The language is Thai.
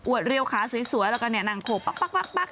เรียวขาสวยแล้วก็นั่งโขกปั๊ก